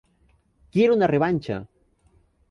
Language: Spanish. Quiero una revancha.".